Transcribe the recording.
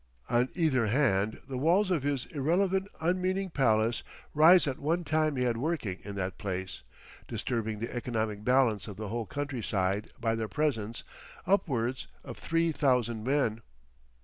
On either hand the walls of his irrelevant unmeaning palace rise at one time he had working in that place—disturbing the economic balance of the whole countryside by their presence—upwards of three thousand men....